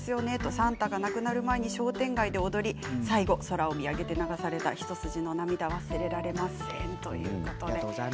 算太が亡くなる前に商店街で踊り最後空を見上げて流された一筋の涙、忘れられません。